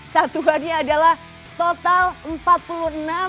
satuannya adalah pembangunan